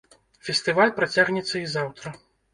Фестываль працягнецца і заўтра.